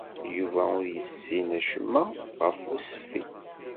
Yuba ur yessin acemma ɣef ussefti.